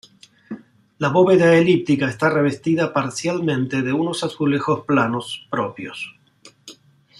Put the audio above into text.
La bóveda elíptica está revestida parcialmente de unos azulejos planos propios.